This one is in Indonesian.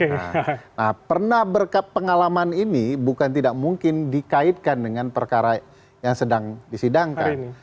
nah pernah berpengalaman ini bukan tidak mungkin dikaitkan dengan perkara yang sedang disidangkan